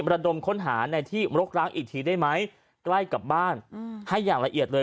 ระดมค้นหาในที่รกร้างอีกทีได้ไหมใกล้กับบ้านให้อย่างละเอียดเลย